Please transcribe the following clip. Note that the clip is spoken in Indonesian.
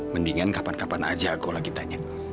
mendingan kapan kapan aja aku lagi tanya